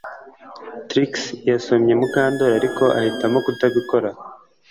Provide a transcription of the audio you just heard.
Trix yasomye Mukandoli ariko ahitamo kutabikora